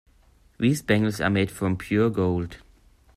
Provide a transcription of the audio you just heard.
These bangles are made from pure gold.